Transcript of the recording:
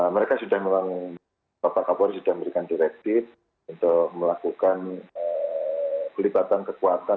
mereka sudah memang bapak kapolri sudah memberikan direktif untuk melakukan pelibatan kekuatan